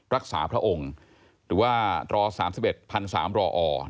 รักษาพระองค์หรือว่าตร๓๑พันธุ์๓รออ